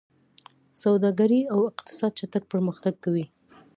سوداګري او اقتصاد چټک پرمختګ کوي.